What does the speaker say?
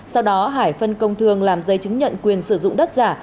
sau đó hải phân công thường làm giấy chứng nhận quyền sử dụng đất giả